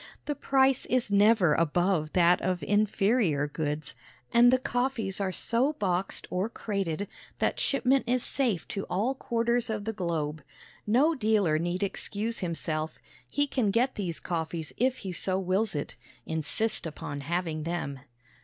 The price is never above that of inferior goods, and the coffees are so boxed or crated that shipment is safe to all quarters of the globe. No dealer need excuse himself. He can get these coffees if he so wills it. Insist upon having them.